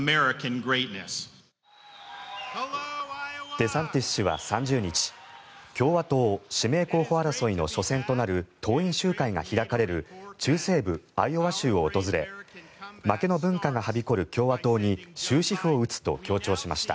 デサンティス氏は３０日共和党指名候補争いの初戦となる党員集会が開かれる中西部アイオワ州を訪れ負けの文化がはびこる共和党に終止符を打つと強調しました。